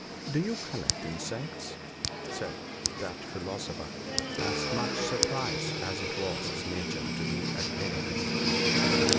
"Do you collect insects?" said that philosopher, as much surprised as it was his nature to be at anything.